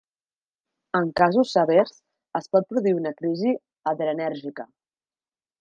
En casos severs, es pot produir una crisi adrenèrgica.